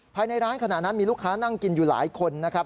ภายในร้านขณะนั้นมีลูกค้านั่งกินอยู่หลายคนนะครับ